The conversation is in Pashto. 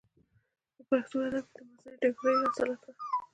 پۀ پښتو ادب کښې د ماسټر ډګري حاصله کړه ۔